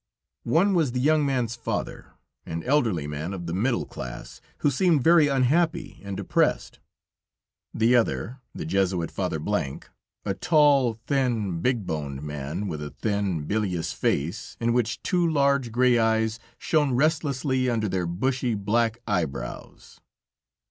One was the young man's father, an elderly man of the middle class, who seemed very unhappy and depressed, the other the Jesuit father K , a tall, thin, big boned man, with a thin, bilious face, in which two large gray eyes shone restlessly under their bushy, black eyebrows.